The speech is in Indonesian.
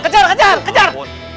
kejar kejar kejar